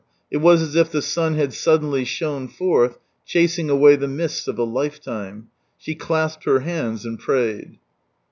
It was as if the sun had suddenly shone forth, chasing away the mists of a life time; she clasped her hands, and prayed.